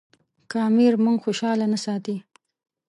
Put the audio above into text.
که امیر موږ خوشاله نه ساتي.